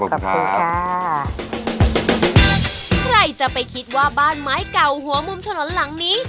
ขอบคุณครับขอบคุณครับใครจะไปคิดว่าบ้านไม้เก่าหัวมุมถนนหลังนี้